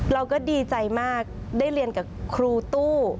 เราก็ดีใจมากได้เรียนกับครูตู้